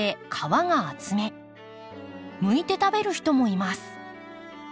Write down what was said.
むいて食べる人もいます。